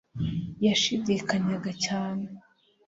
Yashidikanyaga cyane